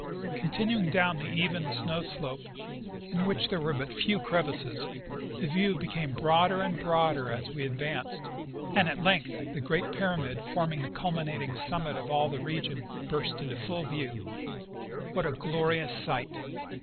Continuing down the even snow slope, in which there were but few crevasses, the view became broader and broader as we ad vanced, and at length the great pyramid forming the culminating summit of all the region burst into full view. What a glorious sight!